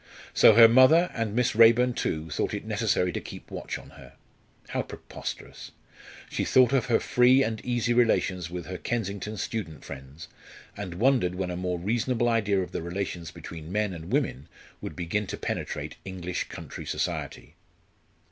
So her mother, and Miss Raeburn too, thought it necessary to keep watch on her. How preposterous! She thought of her free and easy relations with her Kensington student friends, and wondered when a more reasonable idea of the relations between men and women would begin to penetrate English country society.